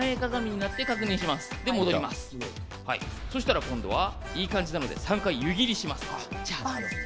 そして戻ります、いい感じなので３回、湯切りします。